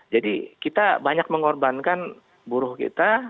jadi kita banyak mengorbankan buruh kita